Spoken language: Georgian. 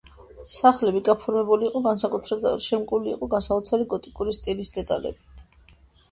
სახლები გაფორმებული იყო განსაკუთრებულად და შემკული იყო გასაოცარი გოტიკური სტილის დეტალებით.